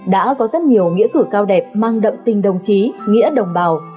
đã có rất nhiều nghĩa cử cao đẹp mang đậm tình đồng chí nghĩa đồng bào